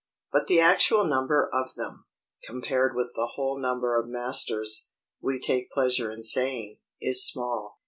But the actual number of them, compared with the whole number of masters, we take pleasure in saying, is small.